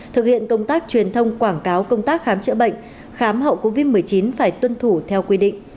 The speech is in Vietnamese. thực hiện công tác truyền thông quảng cáo công tác khám chữa bệnh khám hậu covid một mươi chín phải tuân thủ theo quy định